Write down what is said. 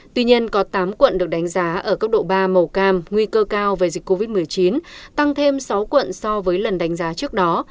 tuy nhiên có tám quận được đánh giá ở cấp độ ba màu cam nguy cơ cao về dịch covid một mươi chín tăng thêm sáu quận so với lần đánh giá trước đó